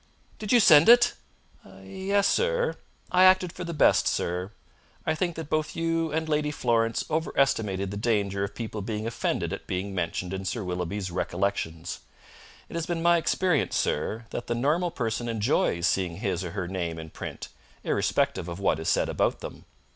"Did you send it?" "Yes, sir. I acted for the best, sir. I think that both you and Lady Florence overestimated the danger of people being offended at being mentioned in Sir Willoughby's Recollections. It has been my experience, sir, that the normal person enjoys seeing his or her name in print, irrespective of what is said about them.